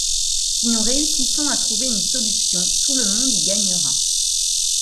Si nous réussissons à trouver une solution, tout le monde y gagnera.